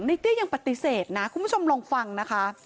เตี้ยยังปฏิเสธนะคุณผู้ชมลองฟังนะคะ